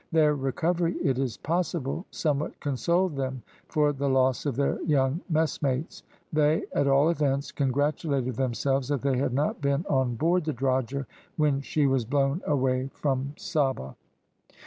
Their recovery, it is possible, somewhat consoled them for the loss of their young messmates. They, at all events, congratulated themselves that they had not been on board the drogher when she was blown away from Saba.